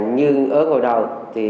nhưng ở ngồi đầu